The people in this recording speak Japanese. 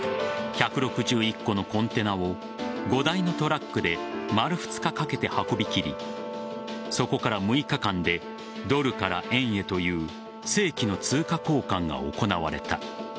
１６１個のコンテナを５台のトラックで丸２日かけて運び切りそこから６日間でドルから円へという世紀の通貨交換が行われた。